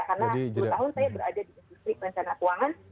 karena sepuluh tahun saya berada di industri perencanaan keuangan